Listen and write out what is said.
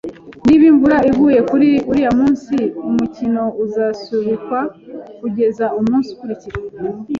Niba imvura iguye kuri uriya munsi, umukino uzasubikwa kugeza umunsi ukurikira